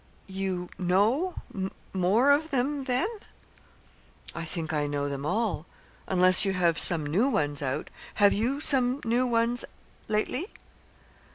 You know more of them, then?" "I think I know them all unless you have some new ones out. Have you some new ones, lately?"